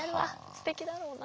すてきだろうな。